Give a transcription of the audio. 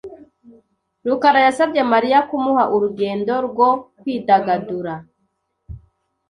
rukara yasabye Mariya kumuha urugendo rwo kwidagadura .